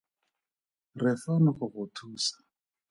Re fano go go tswa thuso.